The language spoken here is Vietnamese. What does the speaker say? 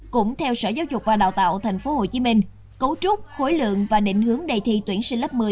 cũng theo sở giáo dục và đào tạo tp hcm cấu trúc khối lượng và định hướng đề thi tuyển sinh lớp một mươi